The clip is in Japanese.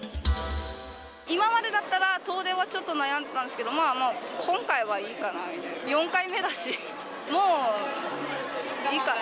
今までだったら、遠出はちょっと悩んでたんですけど、まあもう、今回はいいかなみたいな。